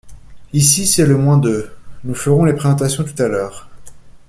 Ici, c’est le moins deux. Nous ferons les présentations tout à l’heure.